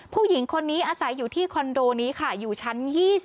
ผู้หญิงคนนี้อาศัยอยู่ที่คอนโดนี้ค่ะอยู่ชั้น๒๐